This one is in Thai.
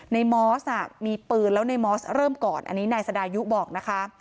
มอสมีปืนแล้วในมอสเริ่มก่อนอันนี้นายสดายุบอกนะคะ